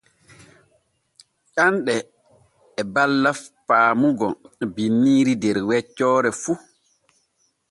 Ƴanɗe e balla faamugo binniiri der weccoore fu.